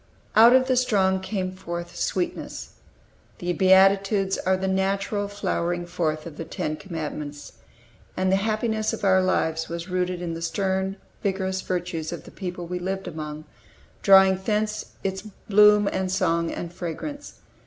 "Out of the strong came forth sweetness." The Beatitudes are the natural flowering forth of the Ten Commandments. And the happiness of our lives was rooted in the stern, vigorous virtues of the people we lived among, drawing thence its bloom and song, and fragrance.